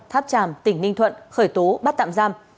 tháp tràm tỉnh ninh thuận khởi tố bắt tạm giam